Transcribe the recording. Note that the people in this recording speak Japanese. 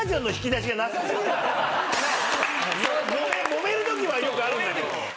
もめるときはよくあるんだけど。